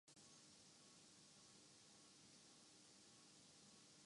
میری نئی فلم شادیاں بچانے کے ساتھ طلاقیں روکے گی